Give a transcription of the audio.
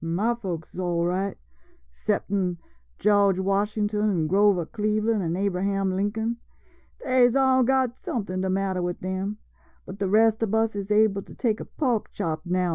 White Ma folks is all right — 'ceptin' George Washington an' Grover Cleveland an' Abra ham Lincoln — dey 's all got somethin' de matter wid dem, but de res' ob us is able to take a pork chop now an' den